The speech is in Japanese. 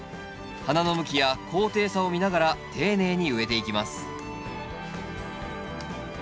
花の向きや高低差を見ながら丁寧に植えていきます